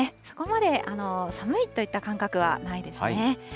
そこまで寒いといった感覚はないですね。